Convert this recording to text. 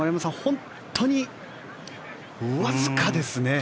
本当にわずかですね。